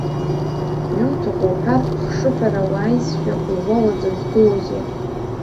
Иуҭаху уҳәар, хшыҳәара уааизшәа, ууауаӡа узгылоузеи.